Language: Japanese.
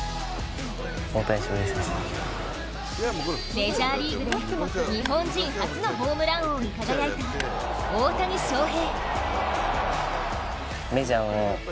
メジャーリーグで日本人初のホームラン王に輝いた大谷翔平。